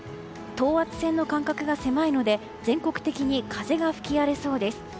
等圧線の間隔が狭いので全国的に風が吹き荒れそうです。